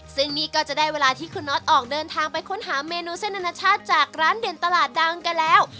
ซึ่งนี่ก็จะได้เวลาที่คุณน็อตออกเดินทางไปค้นหาเมนูเส้นอนาชาติจากร้านเด่นตลาดดังกันแล้ว